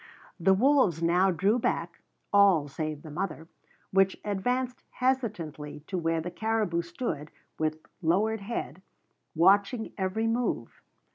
The wolves now drew back, all save the mother, which advanced hesitatingly to where the caribou stood with lowered head, watching every move.